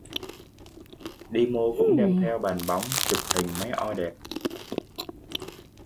Đi mô cũng đem theo bàn bóng chụp hình mấy o đẹp